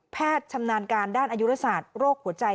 แพทย์ชำนาญการด้านอายุลสารโรคหัวใจ